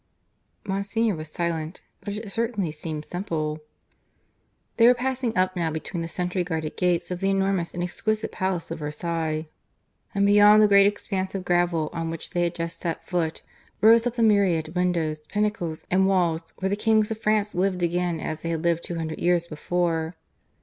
Monsignor was silent. But it certainly seemed simple. They were passing up now between the sentry guarded gates of the enormous and exquisite palace of Versailles; and, beyond the great expanse of gravel on which they had just set foot, rose up the myriad windows, pinnacles, and walls where the Kings of France lived again as they had lived two hundred years before.